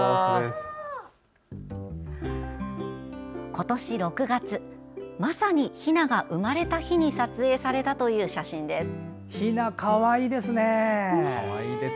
今年６月、まさにひなが生まれた日に撮影されたという写真です。